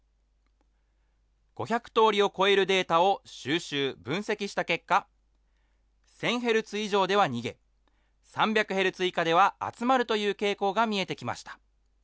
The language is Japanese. ５００とおりを超えるデータを収集・分析した結果、１０００ヘルツ以上では逃げ、３００ヘルツ以下では集まるという傾向が見えてきました。